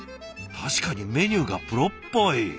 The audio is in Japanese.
確かにメニューがプロっぽい。